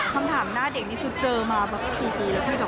คำถามหน้าเด็กที่คุณเจอมาเมื่อกี่ปีแล้วค่อย